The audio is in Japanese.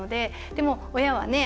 でも、親はね